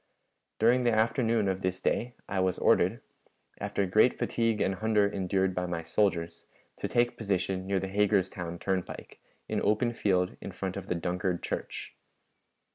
During the afternoon of this day I was ordered, after great fatigue and hunger endured by my soldiers, to take position near the Hagerstown turnpike, in open field in front of the Dunkard church.